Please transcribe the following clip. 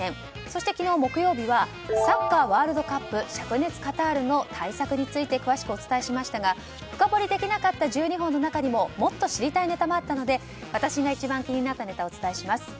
そして昨日、木曜日はサッカーワールドカップ灼熱カタールの対策について詳しくお伝えしましたが深掘りできなかった１２本の中にももっと知りたいネタがあったので私が一番知りたいネタをお伝えします。